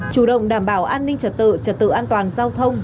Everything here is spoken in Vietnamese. chủ động đảm bảo an ninh trật tự trật tự an toàn giao thông